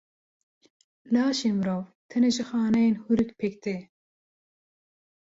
Laşê mirov tenê ji xaneyên hûrik pêk tê.